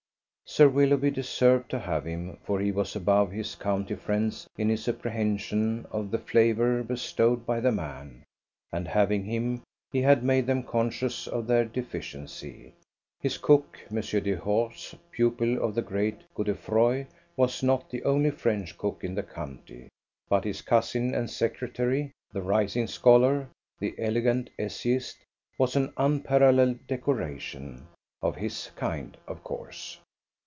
Sir Willoughby deserved to have him, for he was above his county friends in his apprehension of the flavour bestowed by the man; and having him, he had made them conscious of their deficiency. His cook, M. Dehors, pupil of the great Godefroy, was not the only French cook in the county; but his cousin and secretary, the rising scholar, the elegant essayist, was an unparalleled decoration; of his kind, of course.